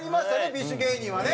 ＢｉＳＨ芸人はね。